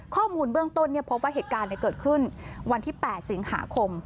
ข้อมูลเบื้องต้นพบว่าเหตุการณ์เกิดขึ้นวันที่๘สิงหาคม